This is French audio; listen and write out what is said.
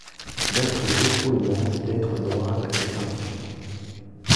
D’affreux écroulements d’êtres noirs et plaintifs